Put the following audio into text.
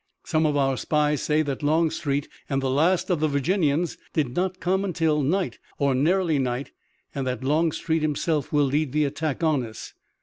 Some of our spies say that Longstreet and the last of the Virginians did not come until night or nearly night and that Longstreet himself will lead the attack on us."